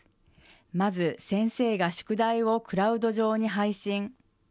まず先生が宿題をクラウド上に配信。